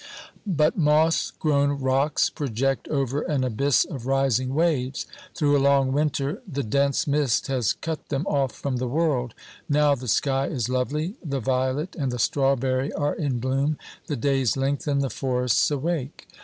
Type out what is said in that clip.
But moss grown rocks project over an abyss of rising waves ; through a long winter the dense mist has cut them off from the world ; now the sky is lovely, the violet and the strawberry are in bloom, the days lengthen, the forests awake.